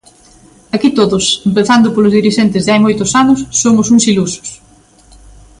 Aquí todos, empezando polos dirixentes de hai moitos anos, somos uns ilusos.